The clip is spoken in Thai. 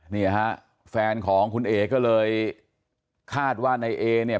เนี่ยฮะแฟนของคุณเอ๋ก็เลยคาดว่านายเอเนี่ย